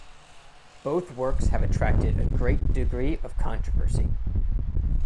Both works have attracted a great degree of controversy.